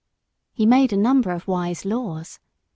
He made a number of wise laws.